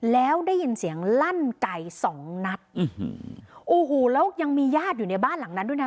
แล้วได้ยินเสียงลั่นไก่สองนัดโอ้โหแล้วยังมีญาติอยู่ในบ้านหลังนั้นด้วยนะ